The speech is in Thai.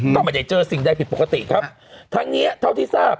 ก็ไม่ได้เจอสิ่งใดผิดปกติครับทั้งเนี้ยเท่าที่ทราบ